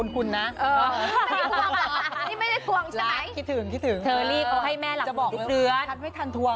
คุณผู้ชมคะ